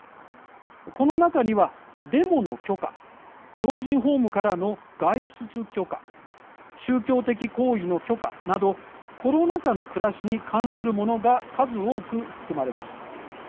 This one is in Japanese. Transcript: この中には、デモの許可老人ホームからの外出許可宗教的行為の許可などコロナ禍の暮らしに関するものが数多く含まれます。